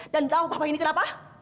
dan tau papa ini kenapa